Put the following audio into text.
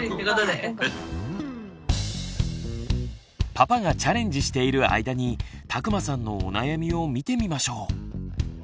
パパがチャレンジしている間に田熊さんのお悩みを見てみましょう。